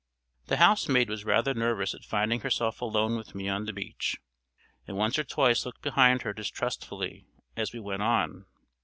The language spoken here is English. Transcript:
The housemaid was rather nervous at finding herself alone with me on the beach, and once or twice looked behind her distrustfully as we went on.